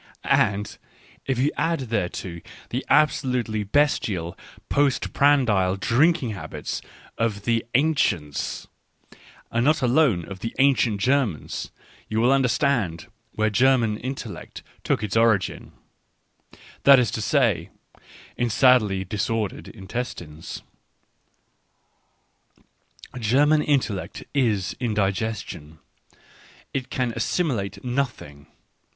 And, if you add thereto the absolutely bestial post prandial drinking habits of the ancients^ and not alone of the ancient Germans, you will understand where German intellect took its origin — that is to say, in sadly disordered intestines. ... German intellect is indigestion ; it can assimilate nothing.